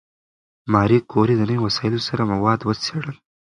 ماري کوري د نوي وسایلو سره مواد وڅېړل.